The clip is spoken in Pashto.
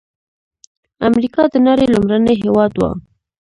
امریکا د نړۍ لومړنی هېواد و.